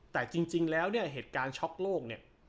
แต่จริงแล้วเนี่ยเหตุการณ์ช็อกโลกเนี่ย